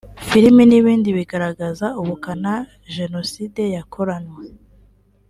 film n’ibindi bigaragaza ubukana Jenoside yakoranywe